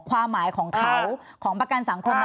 ความหมายของเขาของประกันสังคม